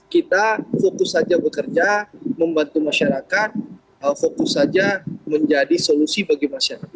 kita fokus saja bekerja membantu masyarakat fokus saja menjadi solusi bagi masyarakat